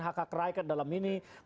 hak hak rakyat dalam ini